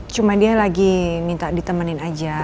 cuma dia lagi minta ditemenin aja